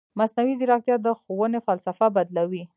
مصنوعي ځیرکتیا د ښوونې فلسفه بدلوي.